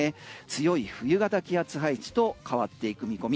強い冬型気圧配置と変わっていく見込み。